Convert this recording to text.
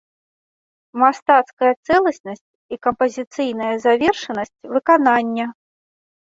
Мастацкая цэласнасць і кампазіцыйная завершанасць выканання.